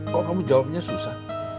kok kamu jawabnya susah